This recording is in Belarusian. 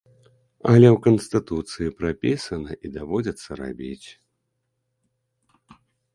Але ў канстытуцыі прапісана і даводзіцца рабіць.